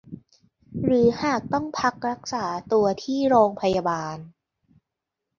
หรือหากต้องพักรักษาตัวที่โรงพยาบาล